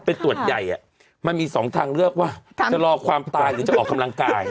ไปตรวจใหญ่มันมี๒ทางเลือกว่าจะรอความตายหรือจะออกกำลังกาย